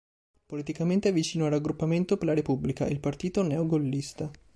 Politicamente è vicino al Raggruppamento per la Repubblica, il partito neo-gollista.